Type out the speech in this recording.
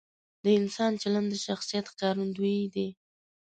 د انسان چلند د شخصیت ښکارندوی دی.